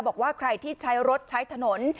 บอกว่าใครที่ใช้รถใช้ถนน